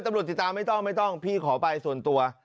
ตำรวจติดตามไม่ต้องพี่ขอไปส่วนตัว